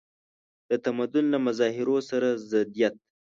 د تمدن له مظاهرو سره ضدیت.